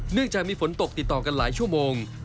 จากมีฝนตกติดต่อกันหลายชั่วโมง